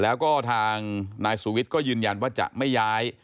แล้วก็ทางนายสุวิทย์ก็ยืนยันว่าจะไม่ย้าย